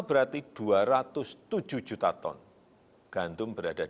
persoalan yang sama juga tidak hidup mengatakan